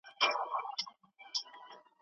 که برکت وي نو غم نه وي.